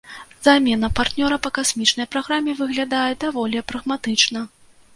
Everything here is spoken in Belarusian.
Замена партнёра па касмічнай праграме выглядае даволі прагматычна.